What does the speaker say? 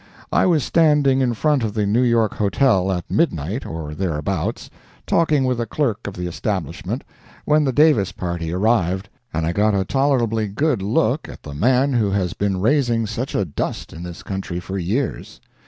I was standing in front of the New York Hotel at midnight, or thereabouts, talking with a clerk of the establishment, when the Davis party arrived, and I got a tolerably good look at the man who has been raising such a dust in this country for years.